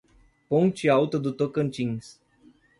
Ponte Alta do Tocantins